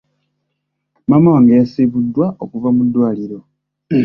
Maama wange yasiibuddwa okuva mu ddwaliro.